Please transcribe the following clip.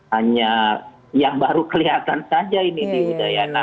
hanya yang baru kelihatan saja ini di udayana